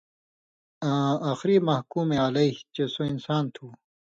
آں آخری 'محکُوم علیہ' چے سو اِنسان تُھو۔